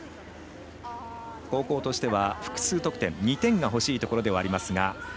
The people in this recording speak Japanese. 後攻としては複数得点２点が欲しいところではありますが